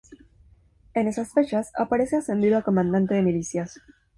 En esas fechas aparece ascendido a comandante de milicias.